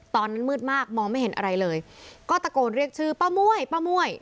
ตอนนั้นมืดมากมองไม่เห็นอะไรเลยก็ตะโกนเรียกชื่อป้าม่วยป้าม่วย